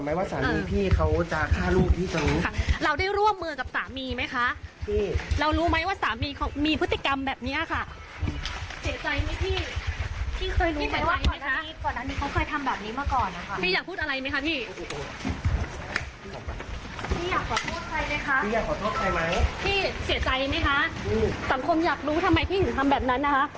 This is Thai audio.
อยากจะพูดอะไรอยากจะขอโทษ